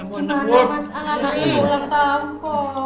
gimana mas ala anaknya ulang tahun kok